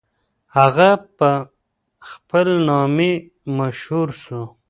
هغه په خپل نامې مشهور سو.